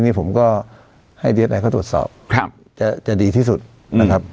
นี่ผมก็ให้ดีเอสไอเขาตรวจสอบครับจะดีที่สุดนะครับ